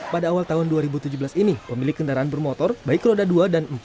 pada awal tahun dua ribu tujuh belas ini pemilik kendaraan bermotor baik roda dua dan empat